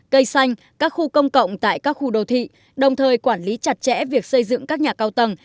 cây xanh các khu công cộng tại các khu đô thị đồng thời quản lý chặt chẽ việc xây dựng các nhà cao tầng